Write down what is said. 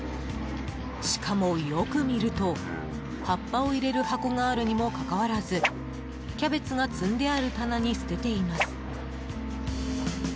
しかも、よく見ると葉っぱを入れる箱があるにもかかわらずキャベツが積んである棚に捨てています。